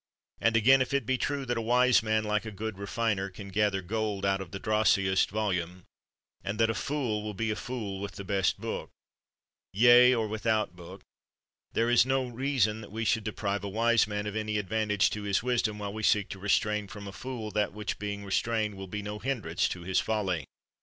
And again if it be true that a wise man, like a good refiner, can gather gold out of the drossiest volume, and that a fool will be a fool with the best book — yea, or without book; there is no reason that we should deprive a wise man of any advantage to his wisdom, while we seek to restrain from a fool, that which being restrained will be no hindrance to his folly.